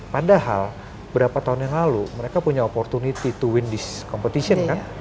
padahal berapa tahun yang lalu mereka punya opportunity to wind this competition kan